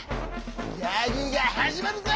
ギャグがはじまるぜ！